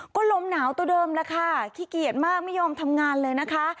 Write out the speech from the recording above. ก็ลมหนาวตัวเดิมแล้วค่ะขี้เกียจมากไม่ยอมทำงานเลยนะคะ